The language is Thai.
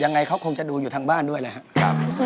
ยังไงเขาคงจะดูอยู่ทางบ้านด้วยนะครับ